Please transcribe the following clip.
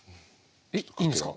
えっいいんですか？